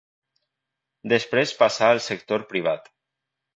Després passà al sector privat.